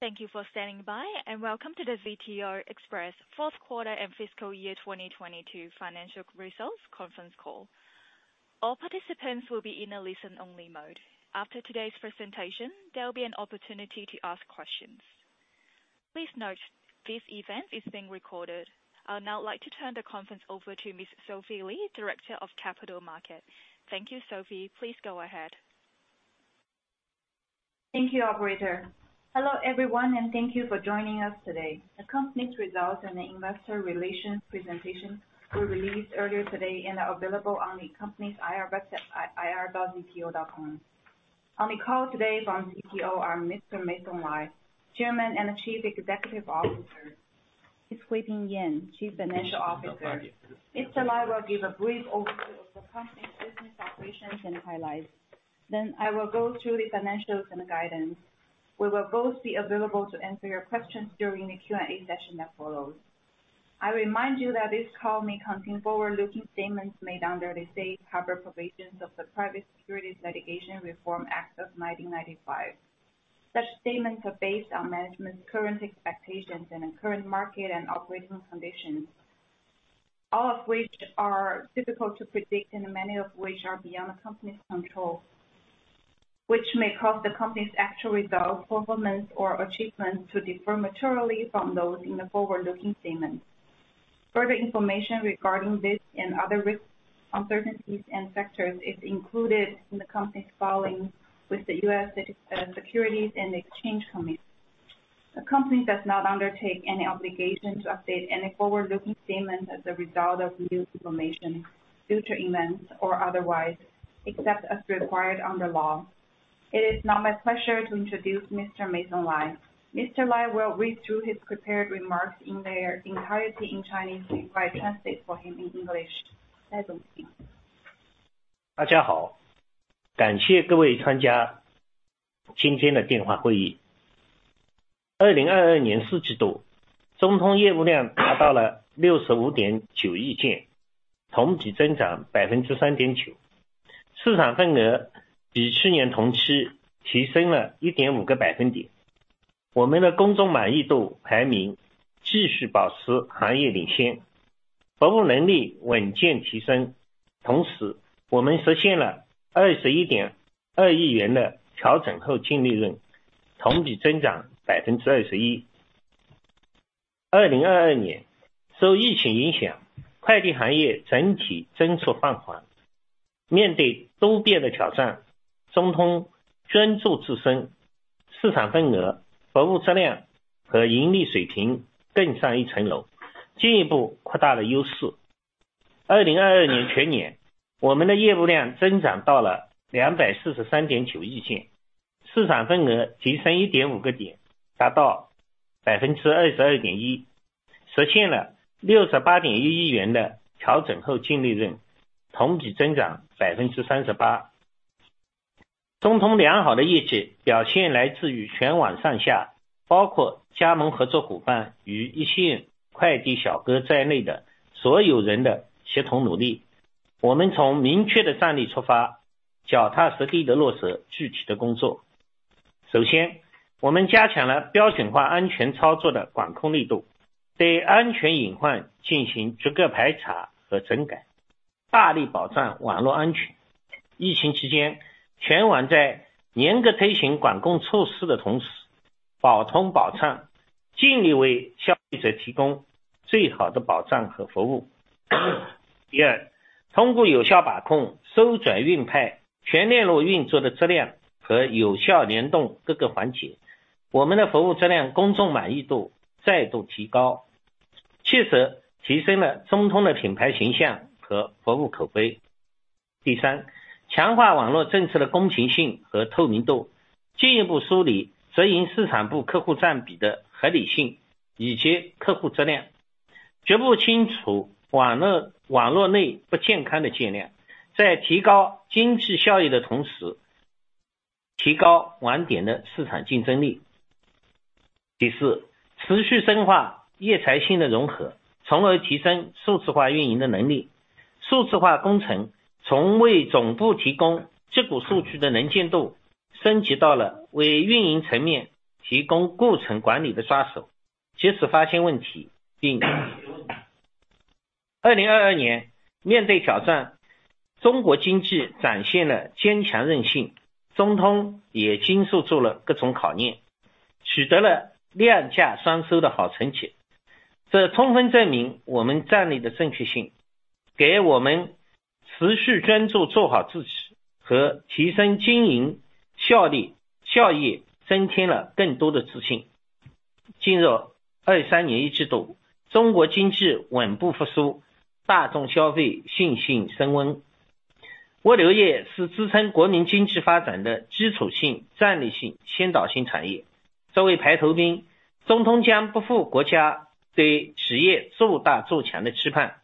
Thank you for standing by. Welcome to the ZTO Express Q4 and fiscal year 2022 financial results conference call. All participants will be in a listen only mode. After today's presentation, there will be an opportunity to ask questions. Please note this event is being recorded. I would now like to turn the conference over to Ms. Sophie Li, Director of Capital Markets. Thank you, Sophie. Please go ahead. Thank you, operator. Hello everyone, thank you for joining us today. The company's results and the investor relations presentation were released earlier today and are available on the company's IR website zto.investorroom.com. On the call today from ZTO are Mr. Meisong Lai, Chairman and Chief Executive Officer, Ms. Huiping Yan, Chief Financial Officer. Mr. Lai will give a brief overview of the company's business operations and highlights. I will go through the financials and guidance. We will both be available to answer your questions during the Q&A session that follows. I remind you that this call may contain forward-looking statements made under the safe harbor provisions of the Private Securities Litigation Reform Act of 1995. Such statements are based on management's current expectations and on current market and operating conditions, all of which are difficult to predict and many of which are beyond the company's control, which may cause the company's actual results, performance or achievements to differ materially from those in the forward-looking statements. Further information regarding this and other risks, uncertainties and factors is included in the company's filings with the U.S. Securities and Exchange Committee. The company does not undertake any obligation to update any forward-looking statements as a result of new information, future events or otherwise, except as required under law. It is now my pleasure to introduce Mr. Meisong Lai. Mr. Lai will read through his prepared remarks in their entirety in Chinese, and I'll translate for him in English. Meisong Lai. 大家 好， 感谢各位参加今天的电话会议。2022 年四季 度， 中通业务量达到了六十五点九亿 件， 同比增长百分之三点 九， 市场份额比去年同期提升了一点五个百分点。我们的公众满意度排名继续保持行业领 先， 服务能力稳健提升。同时我们实现了二十一点二亿元的调整后净利 润， 同比增长百分之二十一。2022 年， 受疫情影 响， 快递行业整体增速放缓。面对多变的挑战，中通专注自 身， 市场份额、服务质量和盈利水平更上一层 楼， 进一步扩大了优势。2022 年全 年， 我们的业务量增长到了两百四十三点九亿 件， 市场份额提升一点五个 点， 达到百分之二十二点 一， 实现了六十八点一亿元的调整后净利 润， 同比增长百分之三十八。中通良好的业绩表现来自于全网上 下， 包括加盟合作伙伴与一线快递小哥在内的所有人的协同努力。我们从明确的战略出 发， 脚踏实地地落实具体的工作。首 先， 我们加强了标准化安全操作的管控力 度， 对安全隐患进行逐个排查和整 改， 大力保障网络安全。疫情期间，全网在严格推行管控措施的同 时， 保通保 畅， 尽力为消费者提供最好的保障和服务。第 二， 通过有效把控收转运派全链路运作的质量和有效联动各个环 节， 我们的服务质量、公众满意度再度提 高， 切实提升了中通的品牌形象和服务口碑。第 三， 强化网络政策的公平性和透明 度， 进一步梳理直营市场部客户占比的合理 性， 以及客户质 量， 逐步清楚网 络， 网络内不健康的竞 量， 在提高经济效益的同 时， 提高网点的市场竞争力。第 四， 持续深化业财税的融 合， 从而提升数字化运营的能力。数字化工程从为总部提供自主数据的能见 度， 升级到了为运营层面提供过程管理的抓 手， 及时发现问题并解决问题。2022 年， 面对挑 战， 中国经济展现了坚强韧 性， 中通也经受住了各种考 验， 取得了量价双收的好成 绩， 这充分证明我们战略的正确 性， 给我们持续专注做好自己和提升经营效率、效益增添了更多的自信。进入二三年一季 度， 中国经济稳步复 苏， 大众消费信心升温。物流业是支撑国民经济发展的基础性、战略性、先导性产业。作为排头 兵， 中通将不负国家对实业做大做强的期 盼，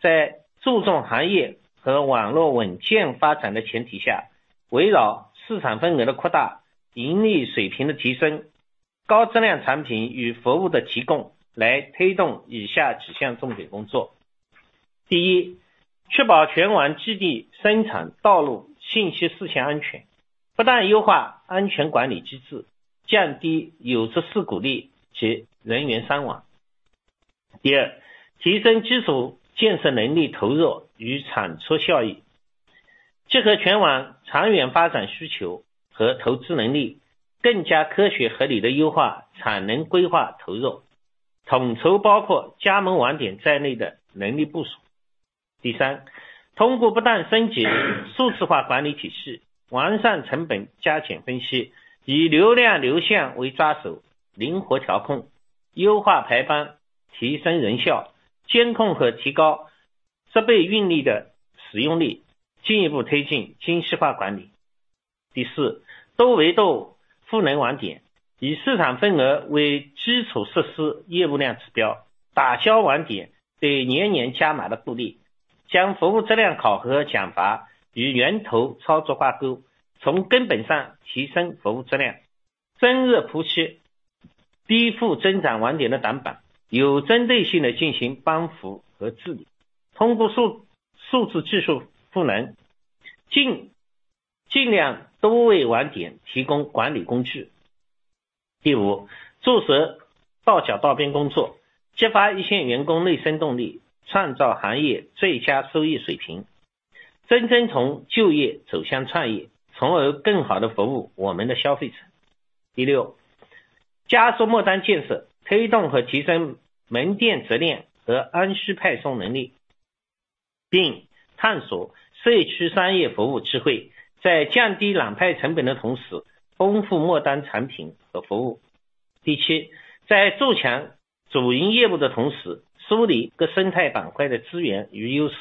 在注重行业和网络稳健发展的前提 下， 围绕市场份额的扩大、盈利水平的提升、高质量产品与服务的提供来推动以下几项重点工作。第 一， 确保全网基地生产道路信息事情安全不断优化安全管理机制降低有质事故例及人员伤亡。第 二， 提升基础建设能力投入与产出效益结合全网长远发展需求和投资能力更加科学合理地优化产能规划投入统筹包括加盟网点在内的能力部署。第 三， 通过不断升级数字化管理体系完善成本价钱分析以流量流向为抓手灵活调控优化排班提升人效监控和提高设备运力的使用率进一步推进精细化管理。第 四， 多维度赋能网点以市场份额为基础设施业务量指标打消网点对年年加码的顾虑将服务质量考核奖罚与源头操作挂钩从根本上提升服务质量深入剖析低速增长网点的短板有针对性地进行帮扶和治理。通过数-数字技术赋能尽-尽量多为网点提供管理工具。第 五， 注折到角到边工作激发一线员工内生动力创造行业最佳收益水平真正从就业走向创业从而更好地服务我们的消费者。第 六， 加速末端建设推动和提升门店执业和安师派送能力并探索社区商业服务智慧在降低揽派成本的同时丰富末端产品和服务。第 七， 在筑墙主营业务的同时梳理各生态板块的资源与优势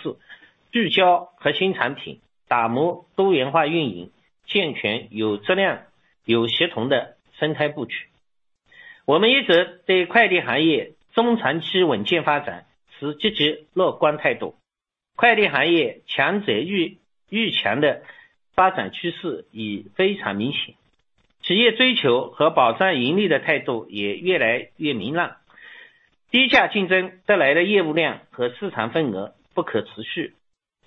聚焦核心产品打磨多元化运营健全有质量有协同的生态布局。我们一直对快递行业中长期稳健发展持积极乐观态度快递行业强者愈-愈强的发展趋势已非常明显企业追求和保障盈利的态度也越来越明朗低价竞争带来的业务量和市场份额不可持续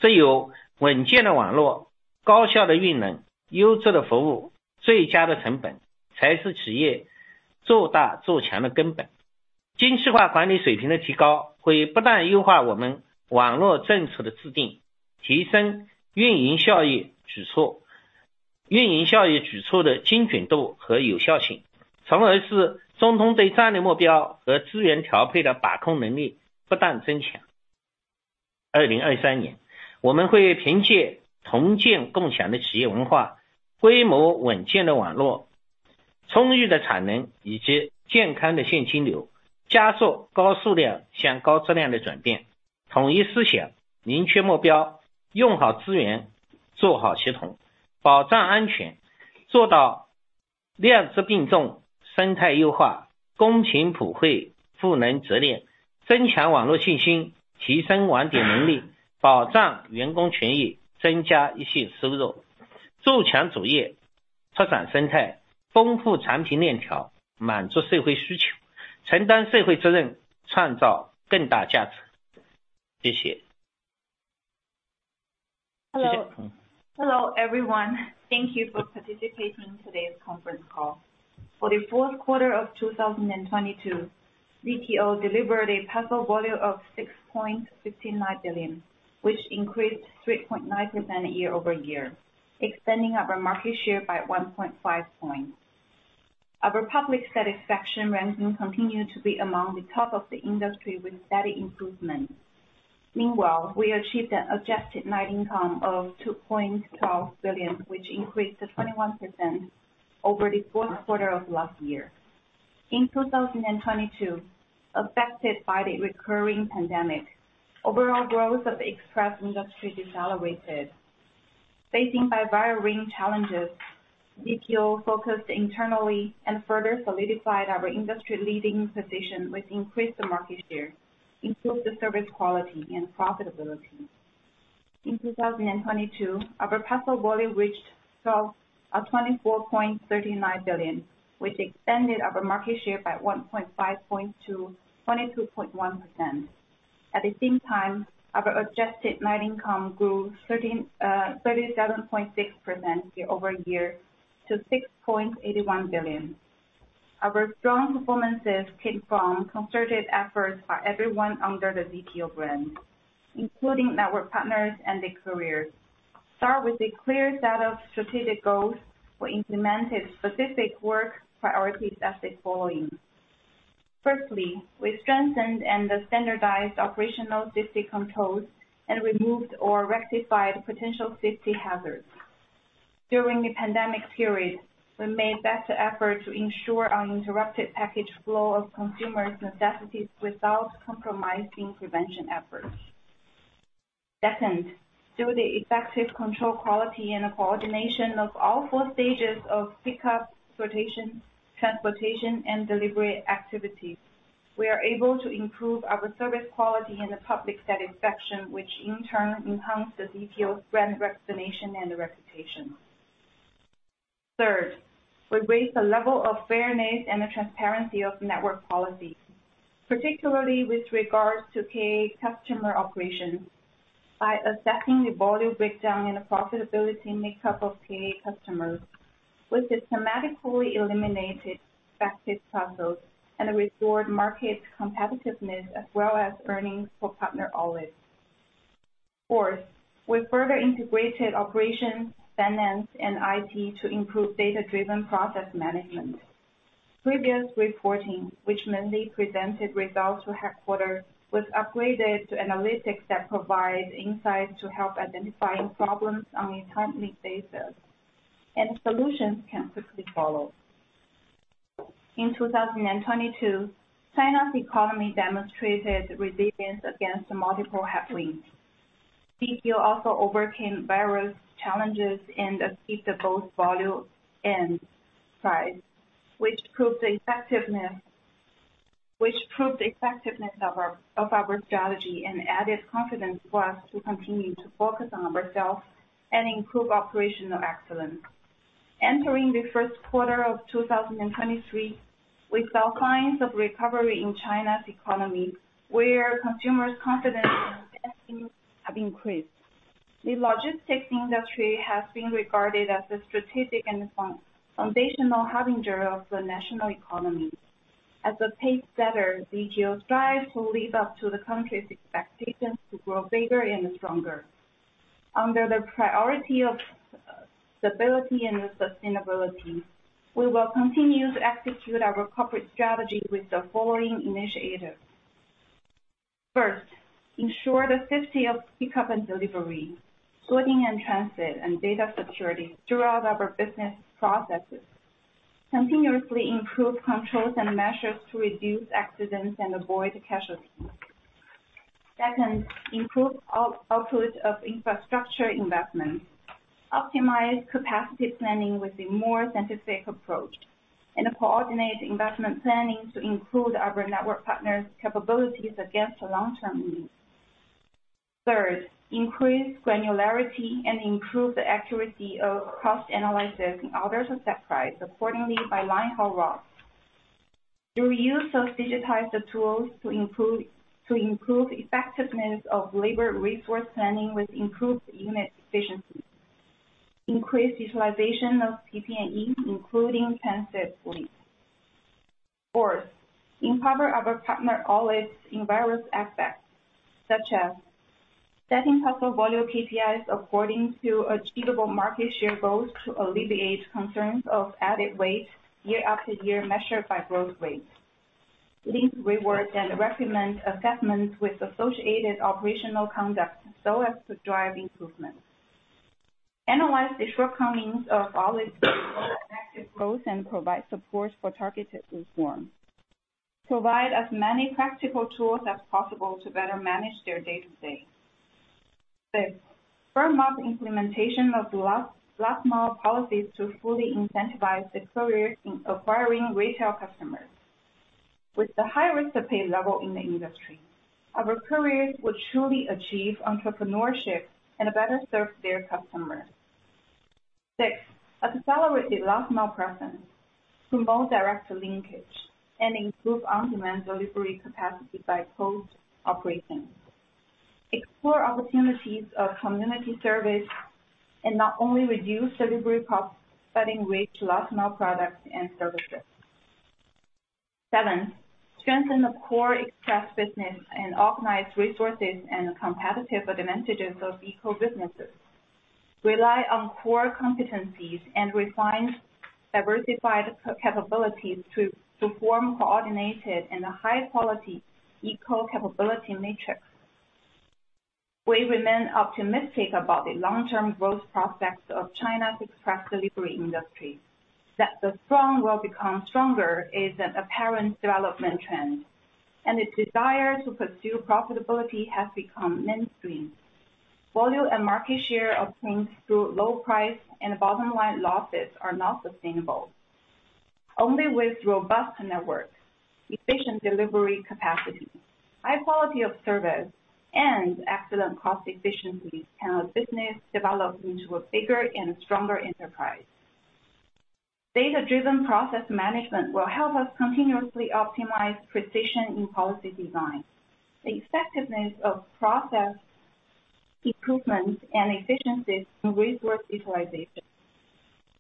只有稳健的网络高效的运能优质的服务最佳的成本才是企业做大做强的根本精细化管理水平的提高会不断优化我们网络政策的制定提升运营效益举 措， 运营效益举措的精准度和有效性从而使中通对战略目标和资源调配的把控能力不断增强。2023 年， 我们会凭借同建共享的企业文化规模稳健的网络充裕的产能以及健康的现金流加速高数量向高质量的转变统一思想明确目标用好资源做好协同保障安全做到量质并重生态优化公平普惠赋能执业增强网络信心提升网点能力保障员工权益增加一线收入筑墙主业拓展生态丰富产品链条满足社会需求承担社会责任创造更大价值。谢谢。Hello, hello, everyone. Thank you for participating today's conference call. For the fourth quarter of 2022, ZTO delivered a parcel volume of 6.59 billion, which increased 3.9% year-over-year, extending our market share by 1.5 points. Our public satisfaction ranking continued to be among the top of the industry with steady improvement. Meanwhile, we achieved an adjusted net income of 2.12 billion, which increased to 21% over the fourth quarter of last year. In 2022, affected by the recurring pandemic, overall growth of the express industry decelerated. Facing by varying challenges, ZTO focused internally and further solidified our industry leading position, which increased the market share, improved the service quality and profitability. In 2022, our parcel volume reached 24.39 billion, which extended our market share by 1.5 point to 22.1%. At the same time, our adjusted net income grew 37.6% year-over-year to 6.81 billion. Our strong performances came from concerted efforts by everyone under the ZTO brand, including network partners and the couriers. Start with a clear set of strategic goals were implemented specific work priorities as the following. Firstly, we strengthened and standardized operational safety controls and removed or rectified potential safety hazards. During the pandemic period, we made best effort to ensure uninterrupted package flow of consumers' necessities without compromising prevention efforts. Second, through the effective control quality and coordination of all four stages of pickup, sortation, transportation and delivery activities, we are able to improve our service quality in the public satisfaction, which in turn enhance the ZTO brand recognition and reputation. Third, we raised the level of fairness and the transparency of network policy, particularly with regards to PA customer operations, by assessing the volume breakdown and the profitability makeup of PA customers with the systematically eliminated effective parcels and restored market competitiveness as well as earnings for partner outlets. Fourth, we further integrated operations, finance and IT to improve data-driven process management. Previous reporting, which mainly presented results to headquarters, was upgraded to analytics that provide insight to help identifying problems on a timely basis, and solutions can quickly follow. In 2022, China's economy demonstrated resilience against multiple headwinds. ZTO also overcame various challenges and achieved the both volume and price, which proved the effectiveness of our strategy and added confidence for us to continue to focus on ourselves and improve operational excellence. Entering the first quarter of 2023, we saw signs of recovery in China's economy, where consumers' confidence have increased. The logistics industry has been regarded as a strategic and foundational harbinger of the national economy. As a pace setter, ZTO strives to live up to the country's expectations to grow bigger and stronger. Under the priority of stability and sustainability, we will continue to execute our corporate strategy with the following initiatives. First, ensure the safety of pickup and delivery, sorting and transit and data security throughout our business processes. Continuously improve controls and measures to reduce accidents and avoid casualties. Second, improve output of infrastructure investments, optimize capacity planning with a more scientific approach, and coordinate investment planning to improve our network partners' capabilities against the long-term needs. Third, increase granularity and improve the accuracy of cost analysis and adjust the set price accordingly by line haul route. The reuse of digitized tools to improve effectiveness of labor resource planning with improved unit efficiency. Increase utilization of PP&E, including transit fleet. Fourth, empower our partner outlets in various aspects, such as setting parcel volume KPIs according to achievable market share goals to alleviate concerns of added weight year after year, measured by growth rates. Link rewards and recommend assessments with associated operational conduct so as to drive improvements. Analyze the shortcomings of outlets growth and provide support for targeted reform. Provide as many practical tools as possible to better manage their day-to-day. Fifth, firm up implementation of last mile policies to fully incentivize the courier in acquiring retail customers. With the highest pay level in the industry, our couriers will truly achieve entrepreneurship and better serve their customers. Six, accelerate the last mile presence, promote direct linkage and improve on-demand delivery capacity by pooled operations. Explore opportunities of community service, and not only reduce delivery cost, but expand reach to last mile products and services. Seven, strengthen the core express business. Organize resources and competitive advantages of eco businesses. Rely on core competencies and refine diversified capabilities to form coordinated and high-quality eco capability matrix. We remain optimistic about the long-term growth prospects of China's express delivery industry, that the strong will become stronger is an apparent development trend. The desire to pursue profitability has become mainstream. Volume and market share obtained through low price and bottom line losses are not sustainable. Only with robust network, efficient delivery capacity, high quality of service, and excellent cost efficiency can a business develop into a bigger and stronger enterprise. Data-driven process management will help us continuously optimize precision in policy design, the effectiveness of process improvements and efficiencies in resource utilization.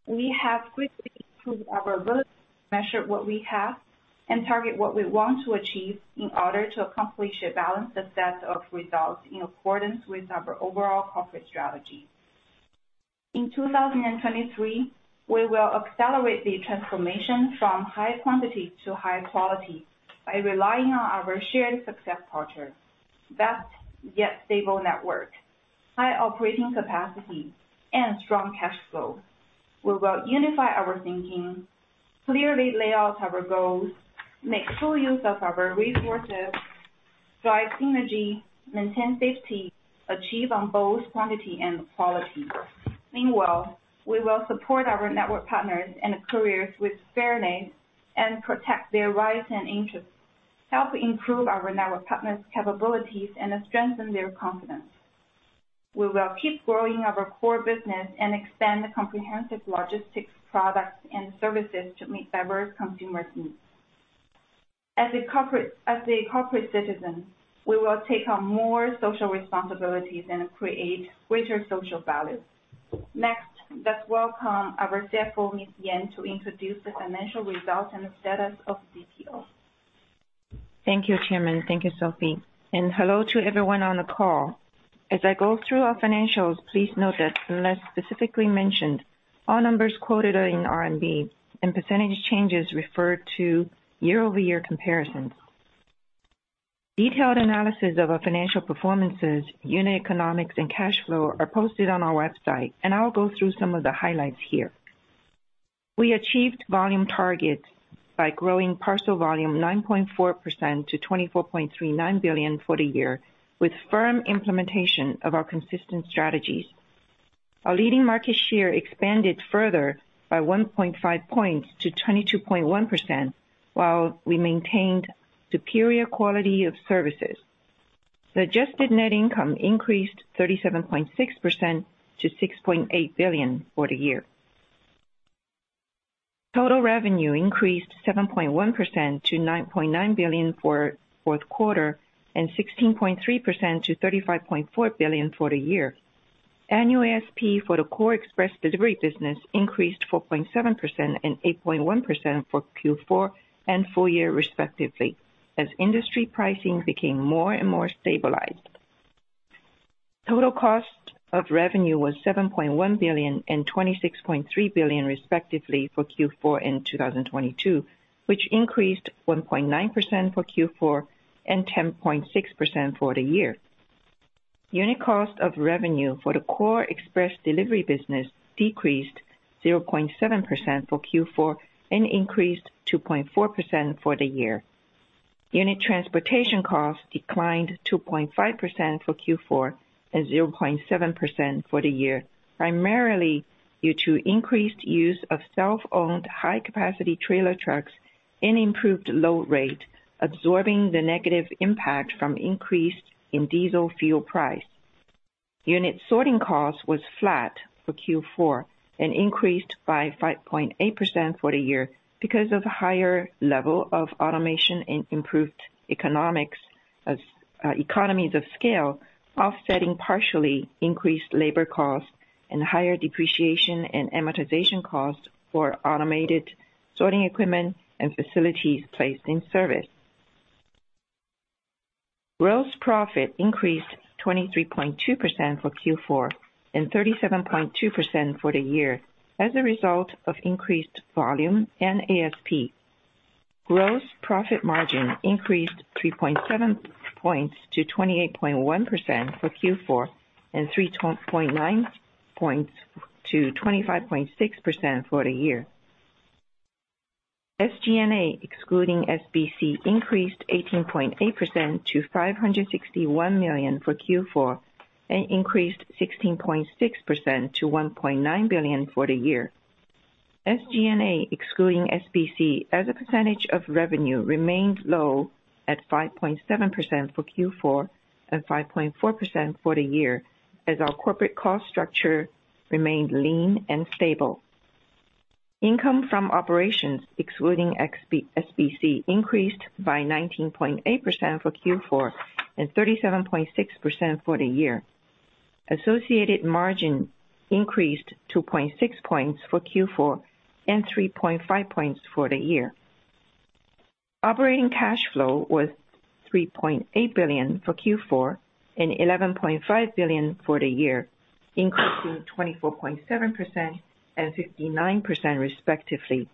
We have quickly improved our measured what we have and target what we want to achieve in order to accomplish a balanced set of results in accordance with our overall corporate strategy. In 2023, we will accelerate the transformation from high quantity to high quality by relying on our shared success culture, vast yet stable network, high operating capacity and strong cash flow. We will unify our thinking, clearly lay out our goals, make full use of our resources, drive synergy, maintain safety, achieve on both quantity and quality. We will support our network partners and couriers with fairness and protect their rights and interests, help improve our network partners' capabilities and strengthen their confidence. We will keep growing our core business and expand the comprehensive logistics products and services to meet diverse consumer needs. As a corporate citizen, we will take on more social responsibilities and create greater social value. Let's welcome our CFO, Miss Yan, to introduce the financial results and the status of ZTO. Thank you, Chairman. Thank you, Sophie. Hello to everyone on the call. As I go through our financials, please note that unless specifically mentioned, all numbers quoted are in RMB and percentage changes refer to year-over-year comparisons. Detailed analysis of our financial performances, unit economics, and cash flow are posted on our website. I will go through some of the highlights here. We achieved volume targets by growing parcel volume 9.4% to 24.39 billion for the year, with firm implementation of our consistent strategies. Our leading market share expanded further by 1.5 points to 22.1%, while we maintained superior quality of services. The adjusted net income increased 37.6% to 6.8 billion for the year. Total revenue increased 7.1% to 9.9 billion for Q4, and 16.3% to 35.4 billion for the year. Annual ASP for the core express delivery business increased 4.7% and 8.1% for Q4 and full year respectively, as industry pricing became more and more stabilized. Total cost of revenue was 7.1 billion and 26.3 billion, respectively, for Q4 in 2022, which increased 1.9% for Q4 and 10.6% for the year. Unit cost of revenue for the core express delivery business decreased 0.7% for Q4 and increased 2.4% for the year. Unit transportation costs declined 2.5% for Q4 and 0.7% for the year, primarily due to increased use of self-owned high-capacity trailer trucks and improved load rate, absorbing the negative impact from increase in diesel fuel price. Unit sorting cost was flat for Q4 and increased by 5.8% for the year because of higher level of automation and improved economics as economies of scale, offsetting partially increased labor costs and higher depreciation and amortization costs for automated sorting equipment and facilities placed in service. Gross profit increased 23.2% for Q4 and 37.2% for the year as a result of increased volume and ASP. Gross profit margin increased 3.7 points to 28.1% for Q4 and 3.9 points to 25.6% for the year. SG&A, excluding SBC, increased 18.8% to 561 million for Q4 and increased 16.6% to 1.9 billion for the year. SG&A, excluding SBC, as a percentage of revenue, remained low at 5.7% for Q4 and 5.4% for the year as our corporate cost structure remained lean and stable. Income from operations excluding SBC increased by 19.8% for Q4 and 37.6% for the year. Associated margin increased 2.6 points for Q4 and 3.5 points for the year. Operating cash flow was 3.8 billion for Q4 and 11.5 billion for the year, increasing 24.7% and 59% respectively.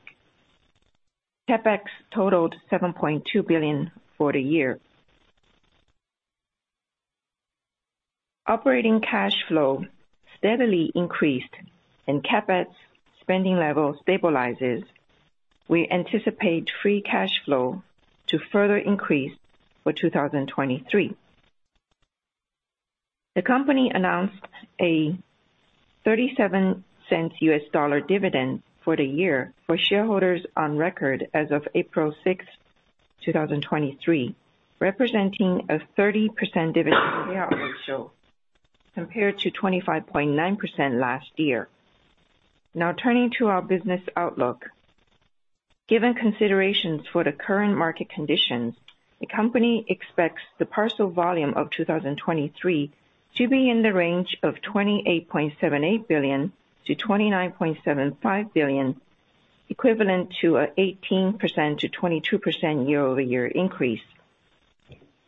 CapEx totaled 7.2 billion for the year. Operating cash flow steadily increased and CapEx spending level stabilizes. We anticipate free cash flow to further increase for 2023. The company announced a $0.37 US dollar dividend for the year for shareholders on record as of April 6, 2023, representing a 30% dividend payout ratio compared to 25.9% last year. Turning to our business outlook. Given considerations for the current market conditions, the company expects the parcel volume of 2023 to be in the range of 28.78 billion to 29.75 billion, equivalent to an 18%-22% year-over-year increase.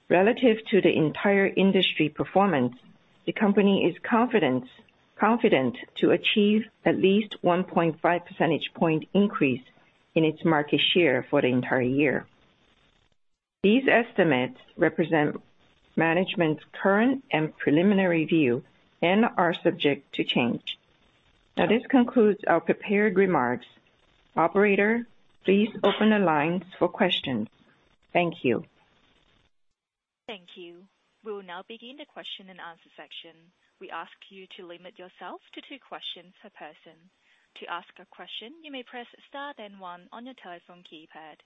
Relative to the entire industry performance, the company is confident to achieve at least 1.5 percentage point increase in its market share for the entire year. These estimates represent management's current and preliminary view and are subject to change. This concludes our prepared remarks. Operator, please open the lines for questions. Thank you. Thank you. We will now begin the question and answer section. We ask. You to limit yourself to two questions per person. To ask a question, you may press star then one on your telephone keypad.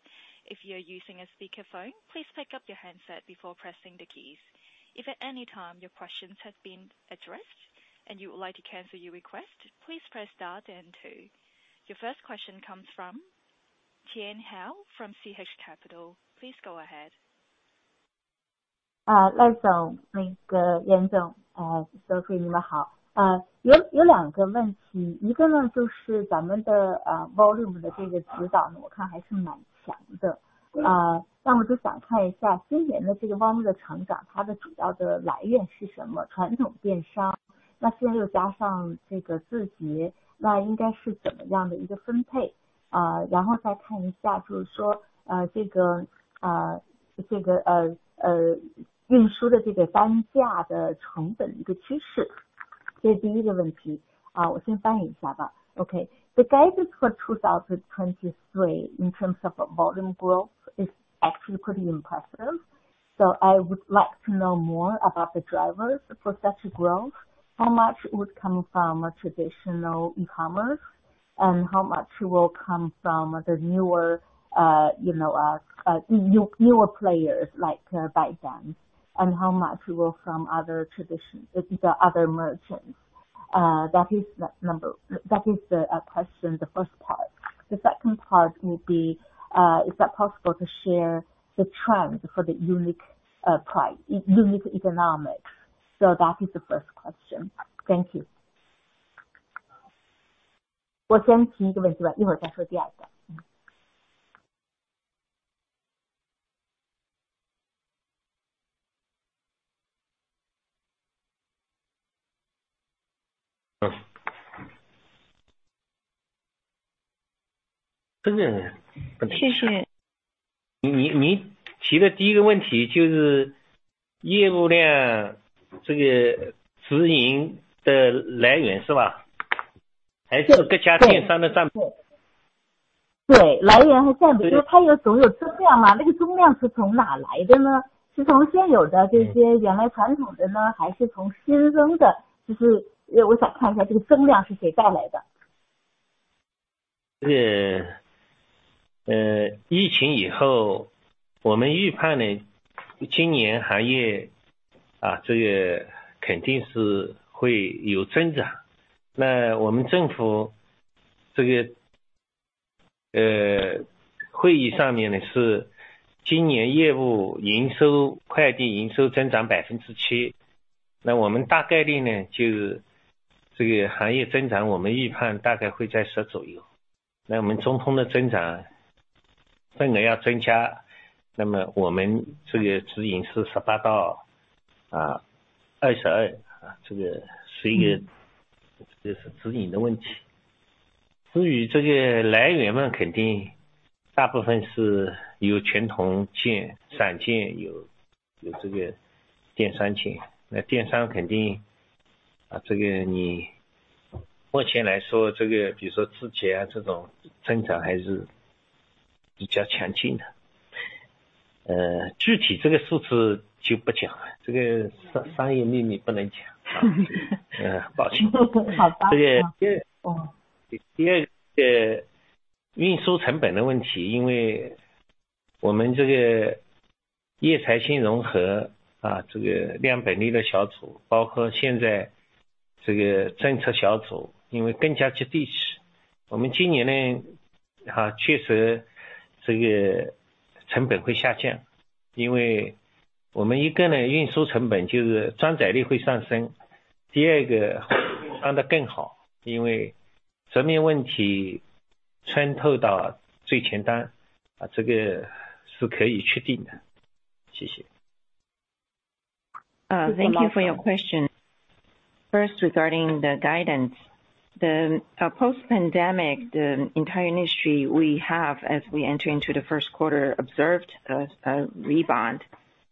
If you're using a speakerphone, please pick up your handset before pressing the keys. If at any time your questions have been addressed and you would like to cancel your request, please press stars then two. Your first question comes from Tian Hou from TH Capital. Please go ahead. 赖 总， 严 总， 各位你们好。有两个问 题， 一个 呢， 就是咱们的 volume 的这个指导 呢， 我看还是蛮强 的， 那我就想看一下今年的这个 volume 的成 长， 它的主要的来源是什 么， 传统电 商， 那现在又加上这个自 营， 那应该是怎么样的一个分 配， 然后再看一 下， 就是说这个这个运输的这个单价的成本一个趋 势， 这是第一个问 题， 我先翻译一下吧。Okay, the guidance for 2023 in terms of volume growth is actually pretty impressive. I would like to know more about the drivers for such growth, how much would come from a traditional e-commerce, and how much will come from the newer, you know, newer players like by then, and how much will from the other merchants. That is the question, the first part. The second part would be, is that possible to share the trend for the unique economics? That is the first question. Thank you. 我先提第一个问 题， 一会儿再说第二个。嗯。谢 谢. 你提的第一个问题就是业务量这个指引的来源是 吧？ 还是各家电商的占比。来源和占 比， 就是它有总有增量 嘛， 那个增量是从哪来的 呢？ 是从现有的这些原来传统的 呢， 还是从新生 的？ 就是我想看一下这个增量是谁带来的。疫情以 后， 我们预判 呢， 今年行业肯定是会有增长。我们政府这个会议上面 呢， 是今年业务营 收， 快递营收增长 7%， 我们大概率 呢， 就这个行业增 长， 我们预判大概会在 10%， 我们 ZTO 的增长份额要增 加， 那么我们这个指引是 18%-22%， 这个是一个这是指引的问题。至于这个来源 呢， 肯定大部分是有传统 线， 上 线， 有， 有这个电商 线， 电商肯定这个你目前来 说， 这个比如说自营这种增长还是比较强劲的。具体这个数字就不讲 了， 这个商业秘密不能讲。抱歉。好 吧. 这个第 二, 运输成本的问 题, 因为我们这个业财新融 合, 这个梁本利的小 组, 包括现在这个政策小 组, 因为更加接地 气, 我们今年 呢, 确实这个成本会下 降, 因为我们一个呢运输成本就是装载力会上 升, 第二个上的更 好, 因为成本问题渗透到最前 端, 这个是可以确定 的. 谢 谢. Thank you for your question. First regarding the guidance. The post-pandemic, the entire industry we have as we enter into the first quarter observed a rebound.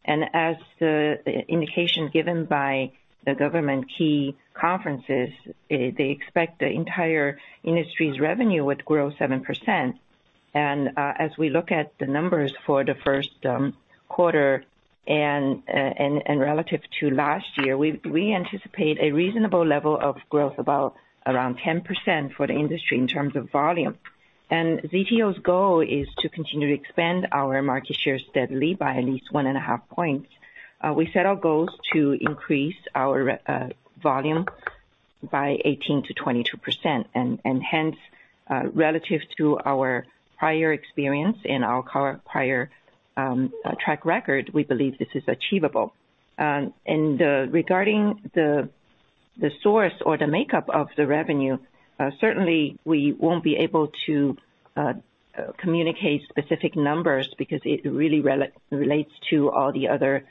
As the indication given by the government key conferences, they expect the entire industry's revenue would grow 7%. As we look at the numbers for the first quarter and relative to last year, we anticipate a reasonable level of growth about around 10% for the industry in terms of volume. ZTO's goal is to continue to expand our market share steadily by at least one and a half points. We set our goals to increase our volume by 18%-22%, and hence, relative to our prior experience and our prior track record, we believe this is achievable. Regarding the source or the makeup of the revenue, certainly we won't be able to communicate specific numbers because it really relates to all the other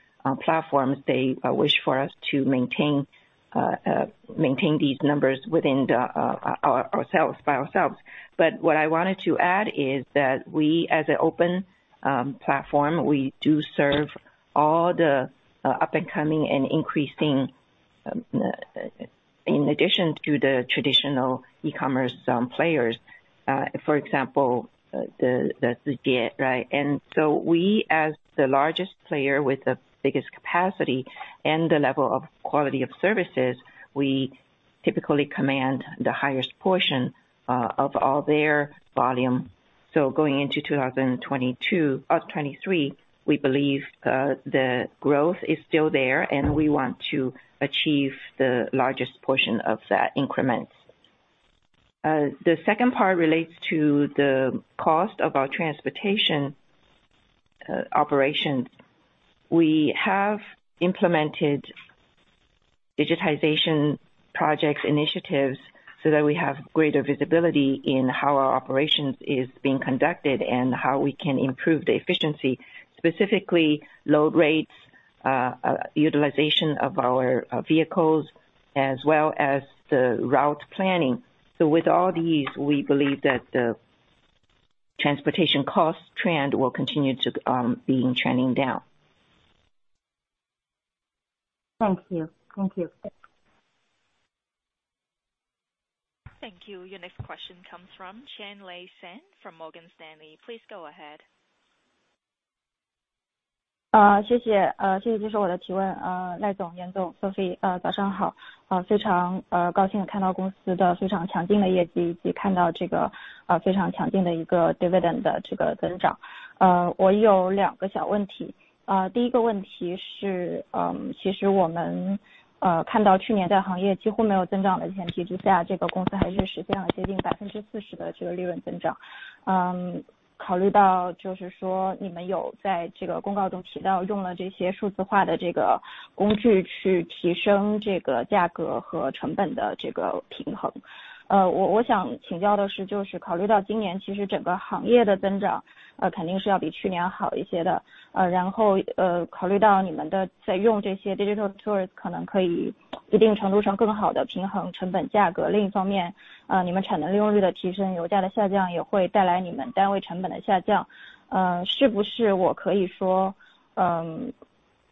platforms. They wish for us to maintain these numbers within ourselves, by ourselves. What I wanted to add is that we as an open platform, we do serve all the up and coming and increasing, in addition to the traditional e-commerce players, for example, the ZTO, right? We as the largest player with the biggest capacity and the level of quality of services, we typically command the highest portion of all their volume. Going into 2023, we believe the growth is still there, and we want to achieve the largest portion of that increments. The second part relates to the cost of our transportation operations. We have implemented digitization projects initiatives so that we have greater visibility in how our operations is being conducted and how we can improve the efficiency, specifically load rates, utilization of our vehicles, as well as the route planning. With all these, we believe that the transportation cost trend will continue to being trending down. Thank you. Thank you. Thank you. Your next question comes from Qianlei Fan from Morgan Stanley. Please go ahead.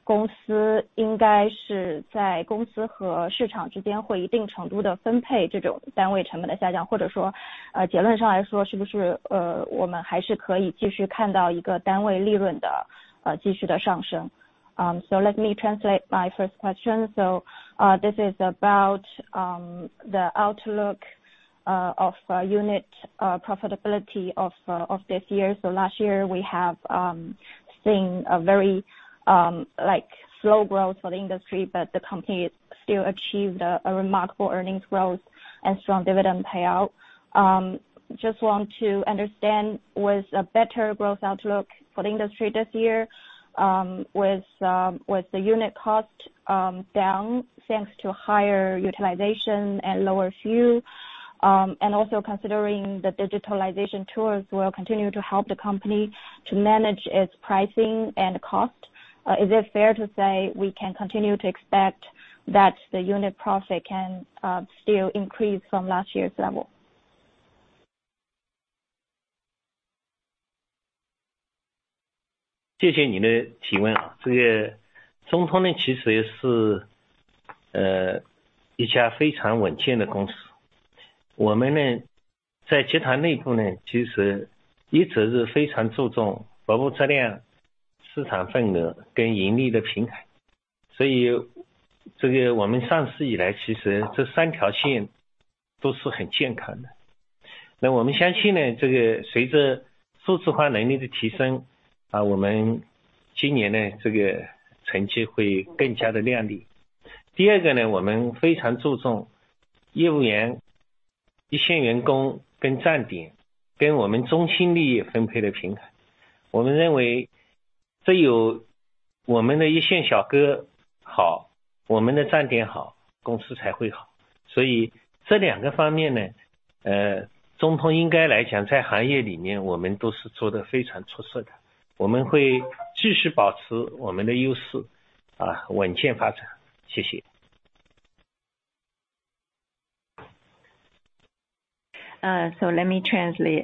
Let me translate my first question. This is about the outlook of unit profitability of this year. Last year we have seen a very like slow growth for the industry, but the company has still achieved a remarkable earnings growth and strong dividend payout. Just want to understand with a better growth outlook for the industry this year, with the unit cost down, thanks to higher utilization and lower fuel. Also considering the digitalization tools will continue to help the company to manage its pricing and cost. Is it fair to say we can continue to expect that the unit profit can still increase from last year's level? Let me translate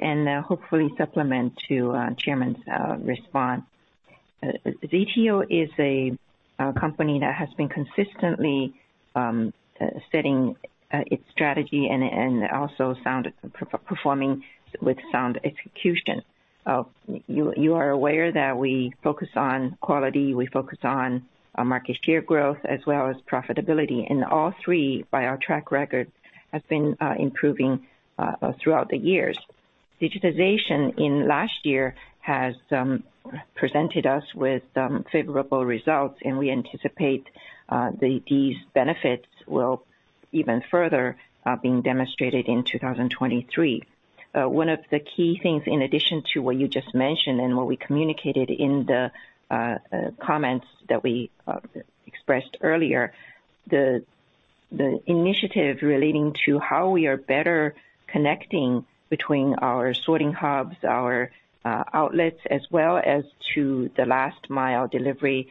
and hopefully supplement to Chairman's response. ZTO is a company that has been consistently setting its strategy and also sound performing with sound execution. You are aware that we focus on quality, we focus on market share growth as well as profitability. All three by our track record has been improving throughout the years. Digitization in last year has presented us with favorable results, and we anticipate these benefits will even further being demonstrated in 2023. One of the key things in addition to what you just mentioned and what we communicated in the comments that we expressed earlier, the initiative relating to how we are better connecting between our sorting hubs, our outlets, as well as to the last mile delivery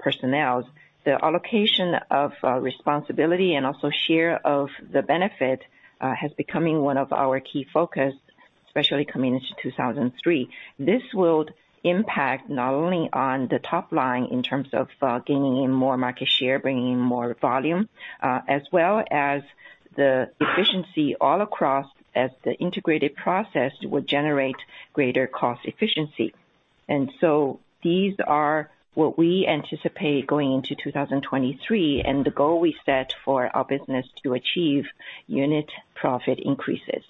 personnels. The allocation of responsibility and also share of the benefit has becoming one of our key focus, especially coming into 2003. This will impact not only on the top line in terms of gaining in more market share, bringing in more volume, as well as the efficiency all across as the integrated process will generate greater cost efficiency. These are what we anticipate going into 2023, and the goal we set for our business to achieve unit profit increases.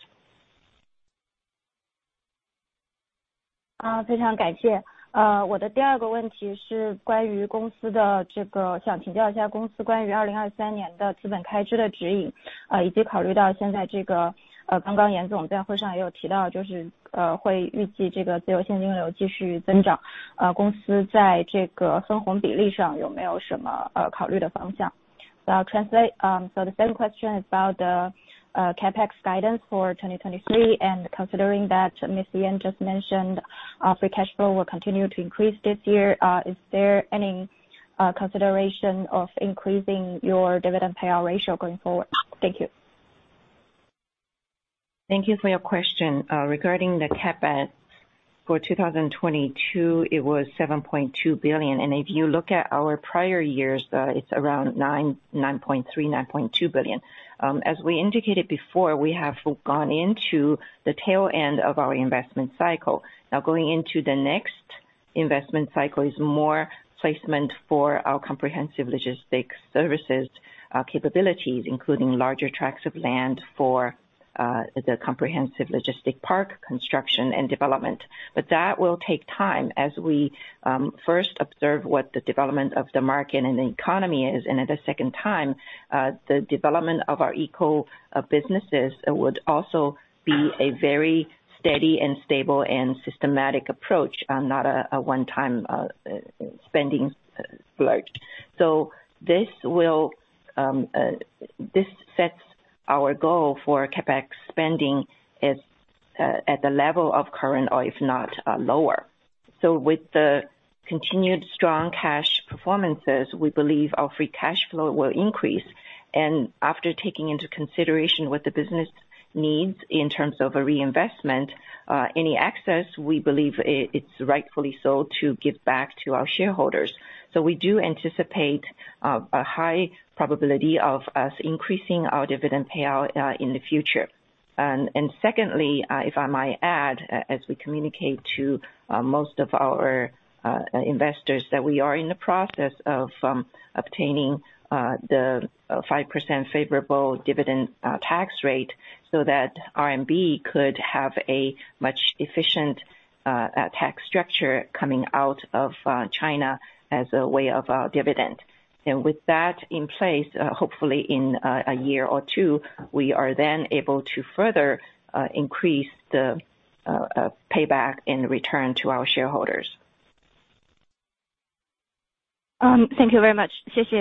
I'll translate. The second question is about the CapEx guidance for 2023, and considering that Miss Yan just mentioned our free cash flow will continue to increase this year, is there any consideration of increasing your dividend payout ratio going forward? Thank you. Thank you for your question. Regarding the CapEx for 2022, it was 7.2 billion. If you look at our prior years, it's around 9 billion, 9.3 billion, 9.2 billion. As we indicated before, we have gone into the tail end of our investment cycle. Going into the next investment cycle is more placement for our comprehensive logistics services capabilities, including larger tracts of land for the comprehensive logistic park construction and development. That will take time as we first observe what the development of the market and the economy is, and at a second time, the development of our eco businesses would also be a very steady and stable and systematic approach, not a one-time spending splurge. This sets our goal for CapEx spending at the level of current or if not lower. With the continued strong cash performances, we believe our free cash flow will increase. After taking into consideration what the business needs in terms of a reinvestment, any excess, we believe it's rightfully so to give back to our shareholders. We do anticipate a high probability of us increasing our dividend payout in the future. Secondly, if I might add, as we communicate to most of our investors that we are in the process of obtaining the 5% favorable dividend tax rate so that RMB could have a much efficient tax structure coming out of China as a way of our dividend. With that in place, hopefully in a year or two, we are then able to further increase the payback and return to our shareholders. Thank you very much. Thank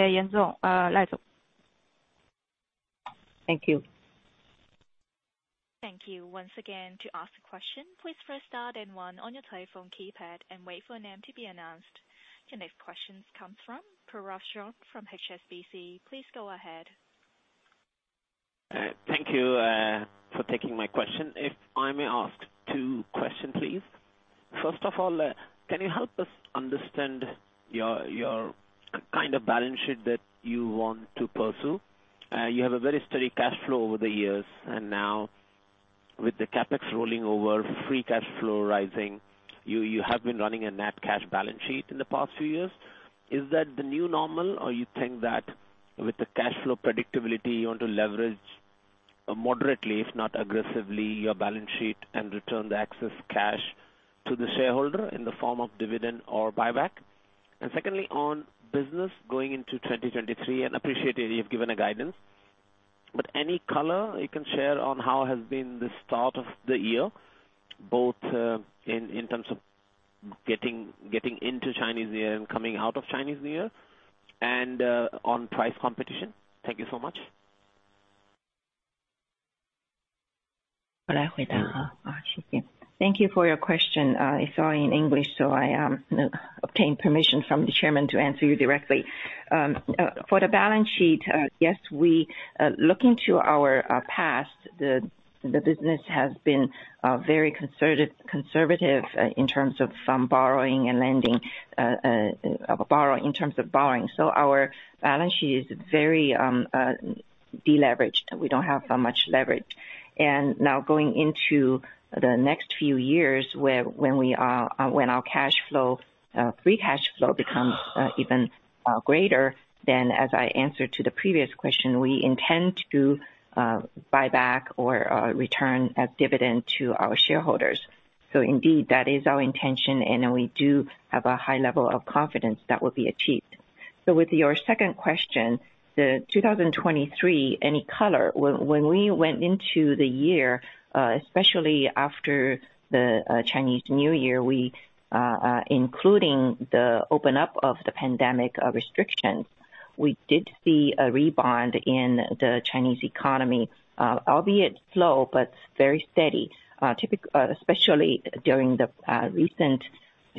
you. Thank you. Once again, to ask a question, please press star then one on your telephone keypad and wait for a name to be announced. The next questions comes from Parash Jain from HSBC. Please go ahead. Thank you for taking my question. If I may ask two question, please. First of all, can you help us understand your kind of balance sheet that you want to pursue? You have a very steady cash flow over the years, and now with the CapEx rolling over, free cash flow rising, you have been running a net cash balance sheet in the past few years. Is that the new normal, or you think that with the cash flow predictability, you want to leverage moderately, if not aggressively, your balance sheet and return the excess cash to the shareholder in the form of dividend or buyback? Secondly, on business going into 2023, and appreciated you've given a guidance, but any color you can share on how has been the start of the year, both, in terms of getting into Chinese New Year and coming out of Chinese New Year and, on price competition? Thank you so much. Thank you for your question. It's all in English, so I obtained permission from the chairman to answer you directly. For the balance sheet, yes, we looking to our past the business has been very conservative in terms of some borrowing and lending in terms of borrowing. Our balance sheet is very deleveraged. We don't have that much leverage. Now going into the next few years where when our cashflow, free cashflow becomes even greater, as I answered to the previous question, we intend to buy back or return a dividend to our shareholders. Indeed, that is our intention, we do have a high level of confidence that will be achieved. With your second question, the 2023, any color. When we went into the year, especially after the Chinese New Year, we, including the open up of the pandemic restrictions, we did see a rebound in the Chinese economy, albeit slow, but very steady. Typically, especially during the recent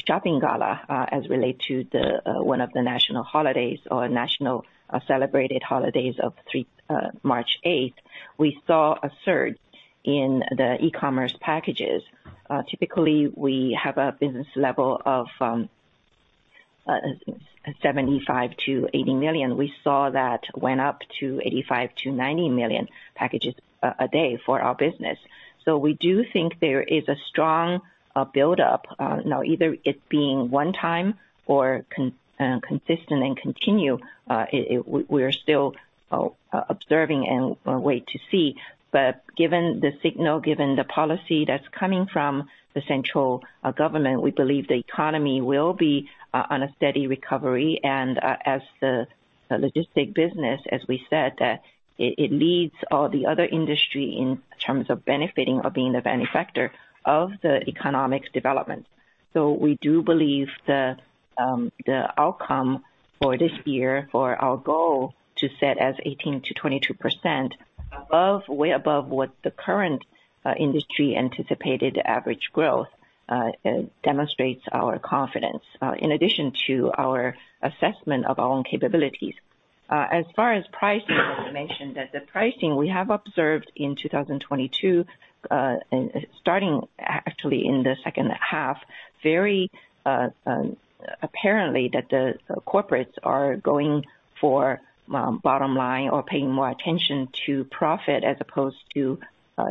shopping gala, as related to one of the national holidays or national celebrated holidays of March 8th, we saw a surge in the e-commerce packages. Typically, we have a business level of 75 million-80 million. We saw that went up to 85 million-90 million packages a day for our business. We do think there is a strong build up now either it being one time or consistent and continue. We're still observing and wait to see. Given the signal, given the policy that's coming from the central government, we believe the economy will be on a steady recovery. As the logistic business, as we said, it leads all the other industry in terms of benefiting or being the benefactor of the economics development. We do believe the outcome for this year, for our goal to set as 18%-22%, above, way above what the current industry anticipated average growth, demonstrates our confidence in addition to our assessment of our own capabilities. As far as pricing is mentioned, at the pricing we have observed in 2022, and starting actually in the second half, very apparently that the corporates are going for bottom line or paying more attention to profit as opposed to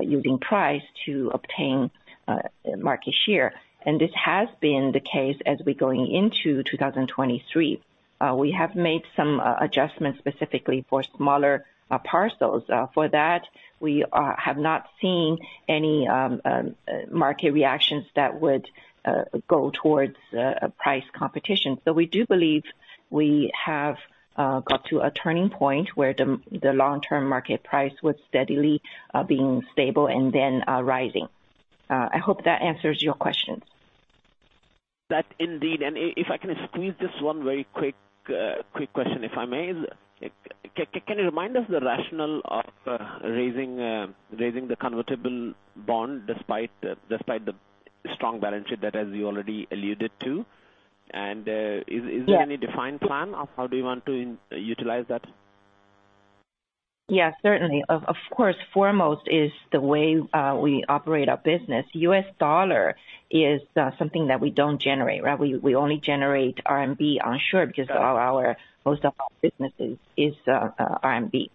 using price to obtain market share. This has been the case as we're going into 2023. We have made some adjustments specifically for smaller parcels. For that we have not seen any market reactions that would go towards price competition. We do believe we have got to a turning point where the long-term market price was steadily being stable and then rising. I hope that answers your question. That indeed. If I can squeeze this one very quick question, if I may. Can you remind us the rationale of raising the convertible bond despite the strong balance sheet that as you already alluded to? Yeah. There any defined plan of how do you want to utilize that? Yes, certainly. Of course, foremost is the way we operate our business. US dollar is something that we don't generate, right? We only generate RMB onshore because most of our businesses is RMB.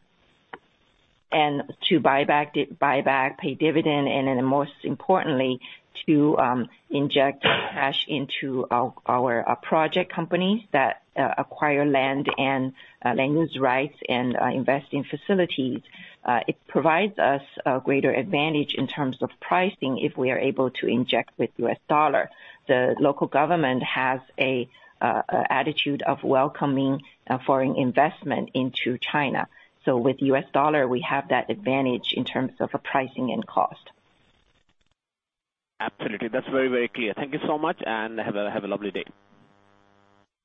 To buy back pay dividend and then most importantly to inject cash into our project companies that acquire land and land use rights and invest in facilities. It provides us a greater advantage in terms of pricing if we are able to inject with US dollar. The local government has an attitude of welcoming foreign investment into China. With US dollar we have that advantage in terms of pricing and cost. Absolutely. That's very, very clear. Thank you so much. Have a lovely day.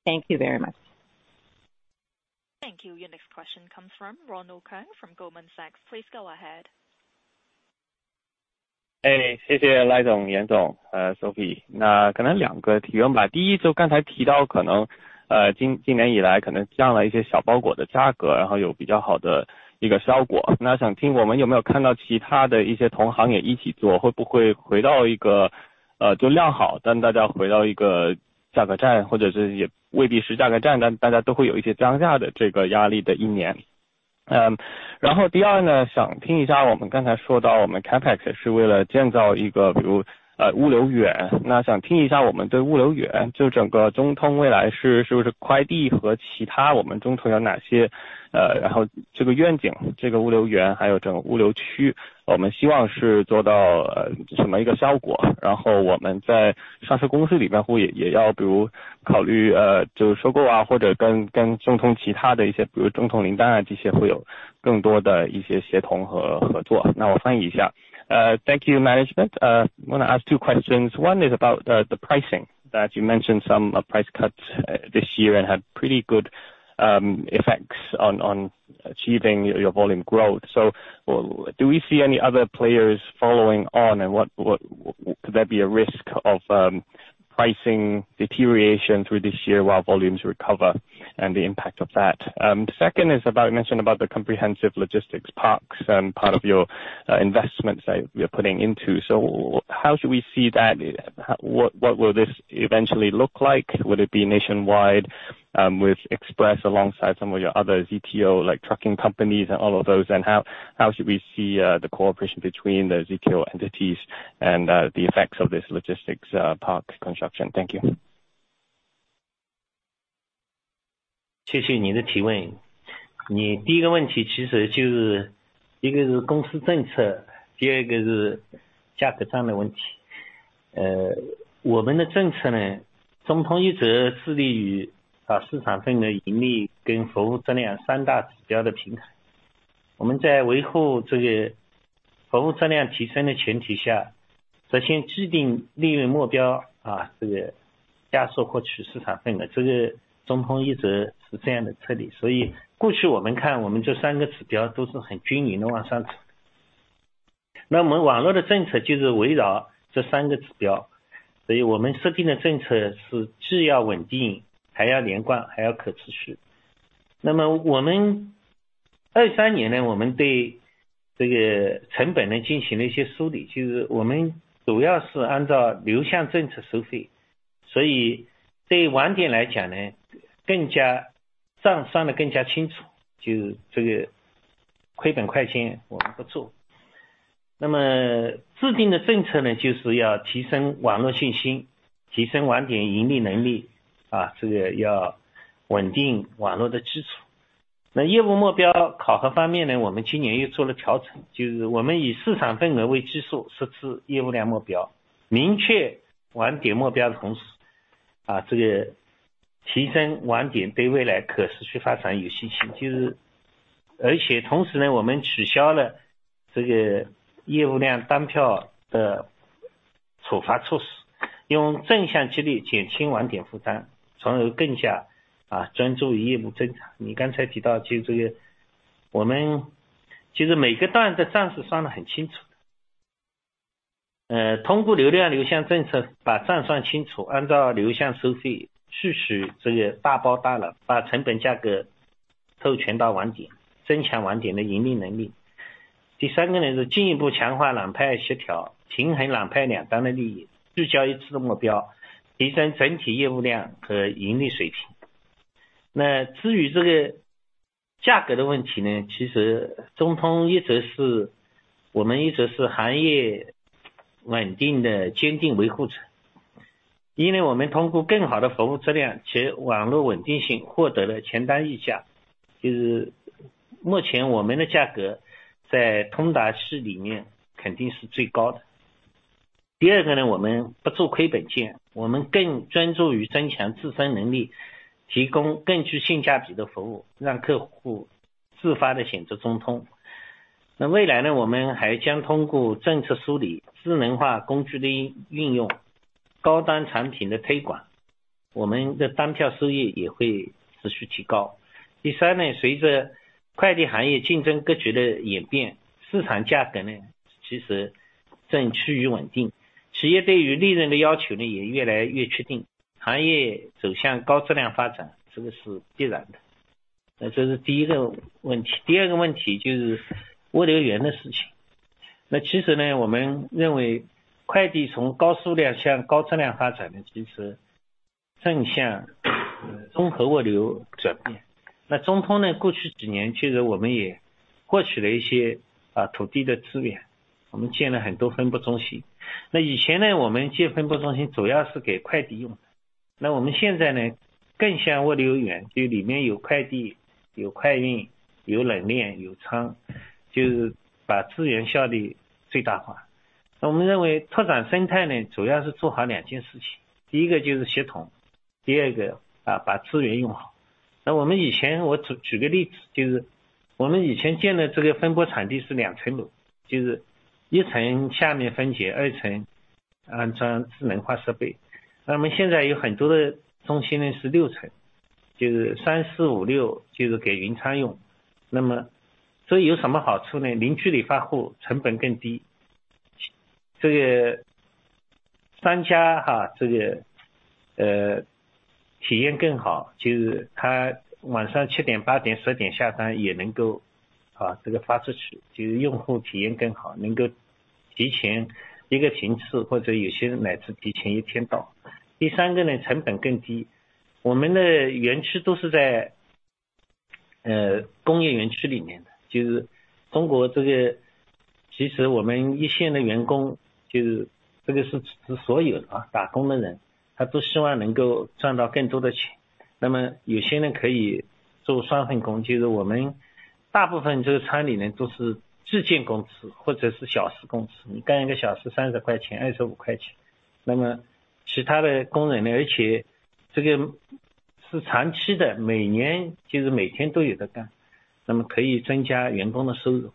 Thank you very much. Thank you. Your next question comes from Ronald Keung from Goldman Sachs. Please go ahead. 谢谢 赖总、严总, Sophie. 可能 2个提问吧。第一就刚才提到 可能, 今年以来可能降了一些小包裹的 价格, 然后有比较好的一个效果。想听我们有没有看到其他的一些同行也一起 做, 会不会回到 一个, 就量 好, 大家回到一个 价格战, 或者是也未必是 价格战, 大家都会有一些降价的这个压力的一年。第二 呢, 想听一下我们刚才说到我们 CapEx 是为了建造一个 比如, 物流园, 想听一下我们对 物流园, 就整个中通未来是不是快递和其他我们中通有 哪些, 然后这个 愿景, 这个 物流园, 还有这个 物流区, 我们希望是 做到, 什么一个效果。我们在上市公司里面会也要比如 考虑, 就是收购 啊, 或者跟中通其他的一些比如中通零担啊这些会有更多的一些协同和合作。我翻译一下。Thank you management. I wanna ask two questions. One is about the pricing that you mentioned some price cuts this year and had pretty good effects on achieving your volume growth. Do we see any other players following on? What could there be a risk of pricing deterioration through this year while volumes recover and the impact of that? The second is about you mentioned about the comprehensive logistics parks and part of your investments that you're putting into. How should we see that? What, what will this eventually look like? Would it be nationwide, with Express alongside some of your other ZTO like trucking companies and all of those? How should we see the cooperation between the ZTO entities and the effects of this logistics park construction? Thank you. 谢谢你的提问。你第一个问题其实就是一个是公司政 策， 第二个是价格战的问题。呃， 我们的政策 呢， 中通一直致力于把市场份额、盈利跟服务质量三大指标的平衡。我们在维护这个服务质量提升的前提 下， 首先制定利润目 标， 啊， 这个加速获取市场份 额， 这个中通一直是这样的策略。所以过去我们看我们这三个指标都是很均匀的往上走。那我们网络的政策就是围绕这三个指 标， 所以我们设定的政策是既要稳定，还要连 贯， 还要可持续。那么我 们23 年 呢， 我们对这个成本 呢， 进行了一些梳 理， 就是我们主要是按照流向政策收 费， 所以对网点来讲 呢， 更 加， 账算得更加清 楚， 就这个亏本快钱我们不做。那么制定的政策 呢， 就是要提升网络信 心， 提升网点盈利能力， 啊， 这个要稳定网络的基础。那业务目标考核方面 呢， 我们今年又做了调 整， 就是我们以市场份额为基 数， 设置业务量目 标， 明确网点目标的同 时， 啊， 这个提升网点对未来可持续发展有信 心， 就是。而且同时 呢， 我们取消了这个业务量单票的处罚措 施， 用正向激励减轻网点负担，从而更加 啊， 专注于业务增长。你刚才提到就这 个， 我们其实每个段的账是算得很清楚的。呃， 通过流量流向政策把账算清 楚， 按照流向收 费， 促使这个大包大 揽， 把成本价格授权到网 点， 增强网点的盈利能力。第三个 呢， 是进一步强化两派协 调， 平衡两派两端的利 益， 聚焦一次的目标，提升整体业务量和盈利水平。那至于这个价格的问题 呢， 其实中通一直 是， 我们一直是行业稳定的坚定维护者。因为我们通过更好的服务质量及网络稳定性获得了全单溢 价， 就是目前我们的价格在通达系里面肯定是最高的。第二个 呢， 我们不做亏本 件， 我们更专注于增强自身能 力， 提供更具性价比的服 务， 让客户自发地选择中通。那未来 呢， 我们还将通过政策梳理、智能化工具的运 用， 高端产品的推 广， 我们的单票收益也会持续提高。第三 呢， 随着快递行业竞争格局的演 变， 市场价格 呢， 其实正趋于稳定，企业对于利润的要求 呢， 也越来越确 定， 行业走向高质量发展这个是必然的。那这是第一个问题。第二个问题就是物流源的事情。那其实 呢， 我们认为快递从高数量向高质量发展的其实正向综合物流转变。那中通 呢， 过去几年其实我们也获取了一些 啊， 土地的资 源， 我们建了很多分布中心。那以前 呢， 我们建分布中心主要是给快递 用， 那我们现在 呢， 更像物流 园， 就是里面有快 递， 有快 运， 有冷 链， 有 仓， 就是把资源效率最大化。那我们认为拓展生态 呢， 主要是做好两件事 情， 第一个就是协 同， 第二个 啊， 把资源用好。那我们以 前， 我 举， 举个例 子， 就是我们以前建的这个分拨场地是两层 楼， 就是一层下面分 拣， 二层安装智能化设备。那么现在有很多的中心 呢， 是六 层， 就是三四五 六， 就是给云仓用。那么这有什么好处 呢？ 零距离发货成本更 低， 这个商家 哈， 这个 呃， 体验更 好， 就是他晚上七点八点十点下单也能够 啊， 这个发出 去， 就是用户体验更 好， 能够提前一个时 次， 或者有些人乃至提前一天到。第三个 呢， 成本更低。我们的园区都是在 呃， 工业园区里面 的， 就是中国这 个， 其实我们一线的员 工， 就是这个是所有 啊， 打工的 人， 他都希望能够赚到更多的 钱， 那么有些人可以做双份工，就是我们大部分这个厂里人都是制件工 资， 或者是小时工 资， 你干一个小时三十块 钱， 二十五块 钱， 那么其他的工人呢。而且这个是长期 的， 每年就是每天都有的 干， 那么可以增加员工的收入。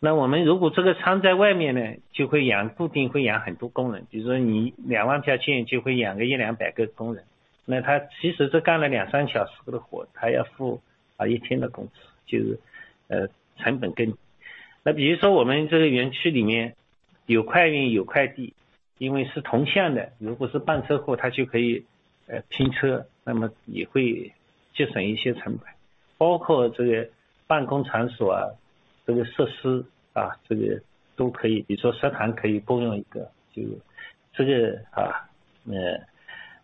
那我们如果这个仓在外面 呢， 就会养固定会养很多工 人， 比如说你两万票件就会养个一两百个工 人， 那他其实是干了两三小时的 活， 他要付啊一天的工 资， 就是 呃， 成本更低。那比如说我们这个园区里面有快 运， 有快 递， 因为是同向 的， 如果是办车后他就可以呃拼 车， 那么也会节省一些成 本， 包括这个办公场所 啊， 这个设施 啊， 这个都可 以， 比如说食堂可以共用一 个， 就是这个啊。呃，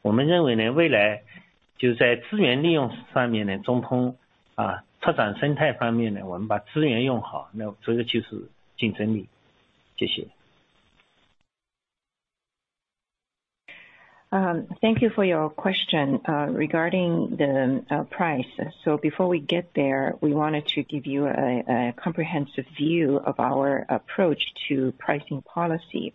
我们认为 呢， 未来就在资源利用上面 呢， 中通 啊， 拓展生态方面 呢， 我们把资源用 好， 那这个就是竞争力。谢谢。Thank you for your question regarding the price. Before we get there, we want to give you a comprehensive view of our approach to pricing policy.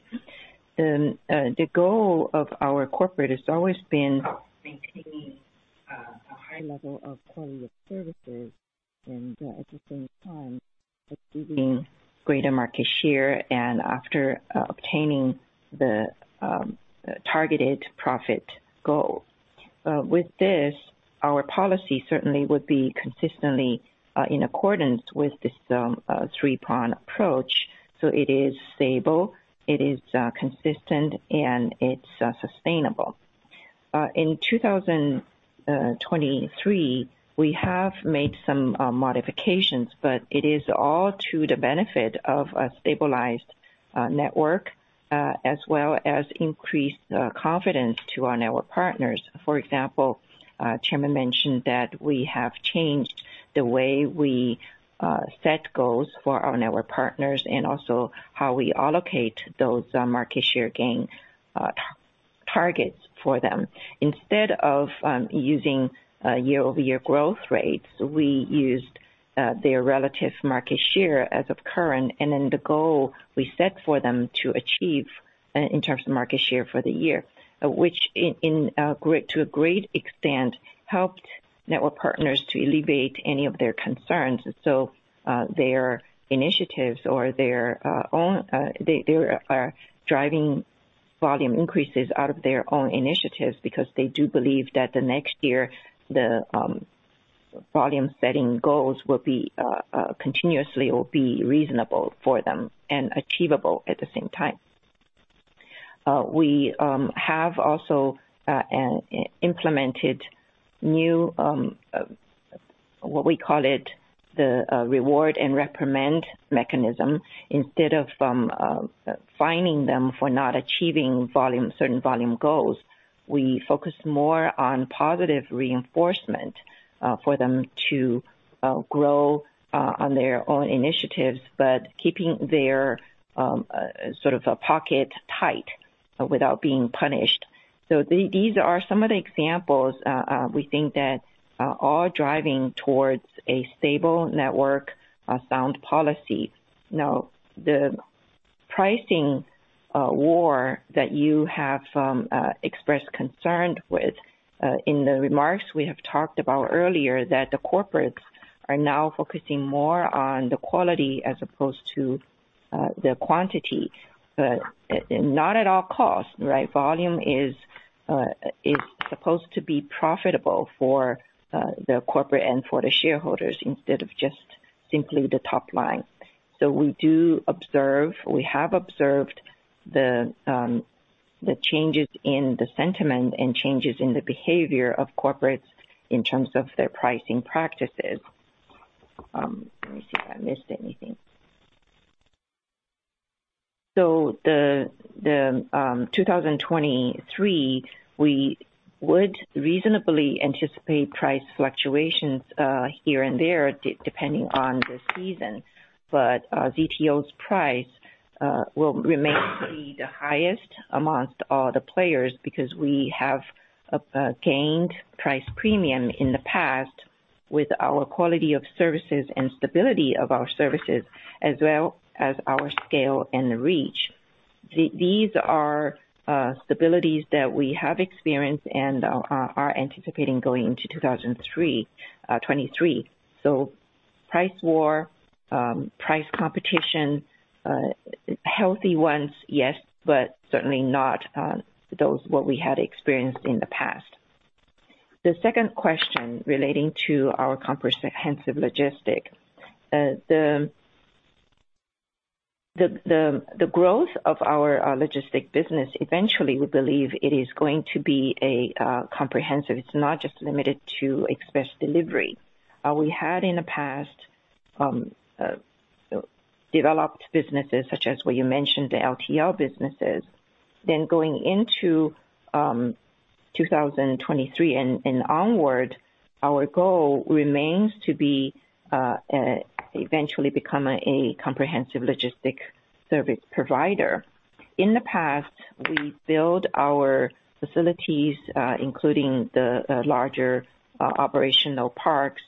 The goal of our corporate is always been maintaining a high level of quality of services and at the same time giving greater market share and after obtaining the targeted profit goal. With this, our policy certainly would be consistently in accordance with this three-prong approach. It is stable, it is consistent and it's sustainable. In 2023, we have made some modifications, but it is all to the benefit of a stabilized network, as well as increased confidence to our network partners. For example, Chairman mentioned that we have changed the way we set goals for our network partners and also how we allocate those market share gain targets for them. Instead of using year-over-year growth rates, we used their relative market share as of current, and then the goal we set for them to achieve in terms of market share for the year, which to a great extent, helped network partners to alleviate any of their concerns. Their initiatives or their own, they are driving volume increases out of their own initiatives because they do believe that the next year, the volume setting goals will be continuously or be reasonable for them and achievable at the same time. We have also implemented new what we call it, the reward and reprimand mechanism. Instead of fining them for not achieving volume, certain volume goals, we focus more on positive reinforcement for them to grow on their own initiatives, but keeping their sort of a pocket tight without being punished. These are some of the examples we think that are all driving towards a stable network, sound policy. The pricing war that you have expressed concern with in the remarks we have talked about earlier, that the corporates are now focusing more on the quality as opposed to the quantity, but not at all costs, right? Volume is supposed to be profitable for the corporate and for the shareholders instead of just simply the top line. We do observe. We have observed the changes in the sentiment and changes in the behavior of corporates in terms of their pricing practices. Let me see if I missed anything. The 2023, we would reasonably anticipate price fluctuations here and there depending on the season. ZTO's price will remain to be the highest amongst all the players because we have gained price premium in the past with our quality of services and stability of our services, as well as our scale and reach. These are stabilities that we have experienced and are anticipating going into 2023. Price war, price competition, healthy ones, yes, but certainly not those what we had experienced in the past. The second question relating to our comprehensive logistics. The growth of our logistic business, eventually, we believe it is going to be a comprehensive. It's not just limited to express delivery. We had in the past developed businesses such as what you mentioned, the LTL businesses. Going into 2023 and onward, our goal remains to be eventually become a comprehensive logistic service provider. In the past, we build our facilities, including the larger operational parks,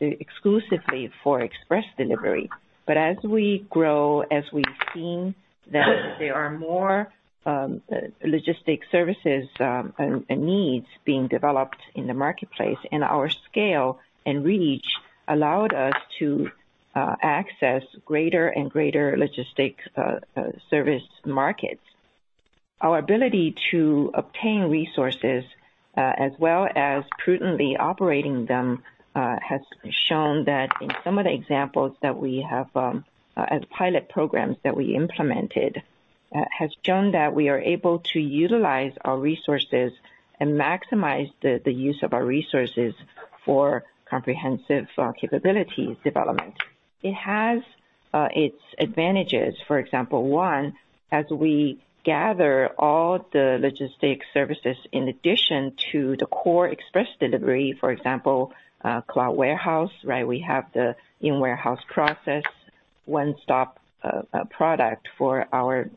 exclusively for express delivery. As we grow, as we've seen that there are more logistic services, and needs being developed in the marketplace, and our scale and reach allowed us to access greater and greater logistic service markets. Our ability to obtain resources, as well as prudently operating them, has shown that in some of the examples that we have, pilot programs that we implemented, has shown that we are able to utilize our resources and maximize the use of our resources for comprehensive capabilities development. It has its advantages. For example, one, as we gather all the logistic services in addition to the core express delivery, for example, cloud warehouse, right? We have the in-warehouse process, one-stop product for our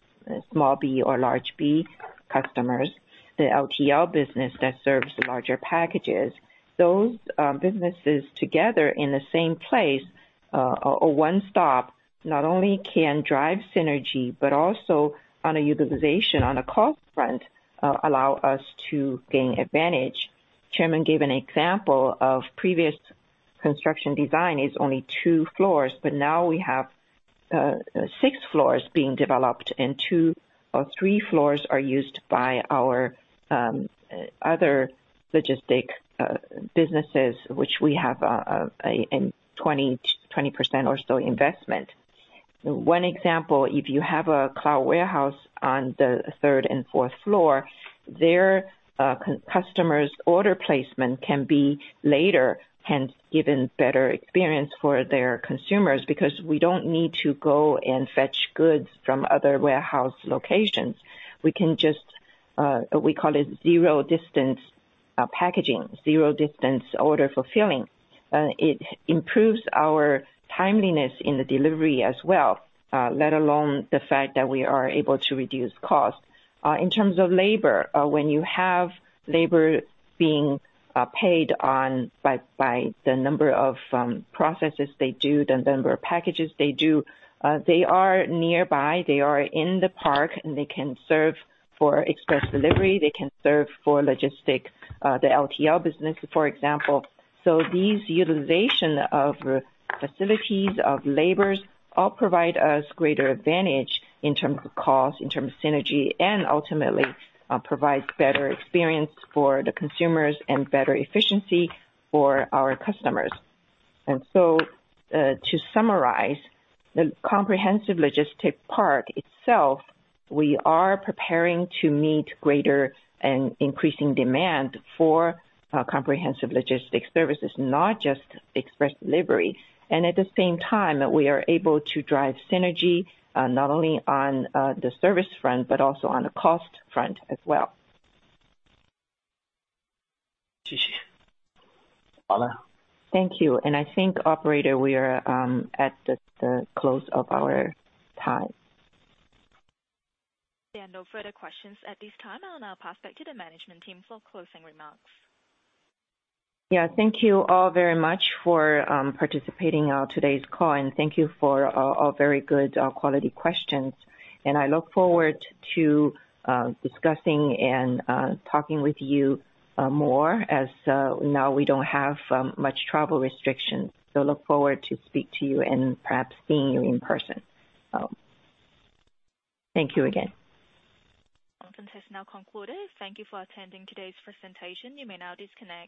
small B or large B customers, the LTL business that serves larger packages. Those businesses together in the same place, a one stop, not only can drive synergy, but also on a utilization, on a cost front, allow us to gain advantage. Chairman gave an example of previous construction design is only two floors. Now we have six floors being developed and two or three floors are used by our other logistic businesses which we have a 20% or so investment. One example, if you have a cloud warehouse on the third and fourth floor, their customer's order placement can be later, hence giving better experience for their consumers because we don't need to go and fetch goods from other warehouse locations. We can just, we call it zero-distance packaging, zero-distance order fulfilling. It improves our timeliness in the delivery as well, let alone the fact that we are able to reduce costs. In terms of labor, when you have labor being paid on by the number of processes they do, the number of packages they do, they are nearby, they are in the park, and they can serve for express delivery, they can serve for logistic, the LTL business, for example. These utilization of facilities, of labors, all provide us greater advantage in terms of cost, in terms of synergy, and ultimately, provides better experience for the consumers and better efficiency for our customers. To summarize, the comprehensive logistic part itself, we are preparing to meet greater and increasing demand for comprehensive logistics services, not just express delivery. At the same time, we are able to drive synergy, not only on the service front, but also on the cost front as well. Thank you. I think, operator, we are at the close of our time. There are no further questions at this time. I'll now pass back to the management team for closing remarks. Yeah. Thank you all very much for participating on today's call, and thank you for all very good quality questions. I look forward to discussing and talking with you more as now we don't have much travel restrictions. Look forward to speak to you and perhaps seeing you in person. Thank you again. Conference has now concluded. Thank you for attending today's presentation. You may now disconnect.